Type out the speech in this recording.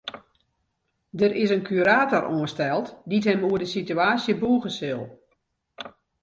Der is in kurator oansteld dy't him oer de sitewaasje bûge sil.